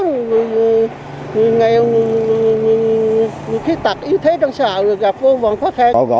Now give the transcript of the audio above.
người nghèo người khí tật yếu thế đang sợ gặp vấn khó khăn